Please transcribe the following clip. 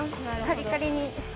カリカリに。